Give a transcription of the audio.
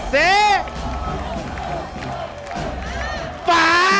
สี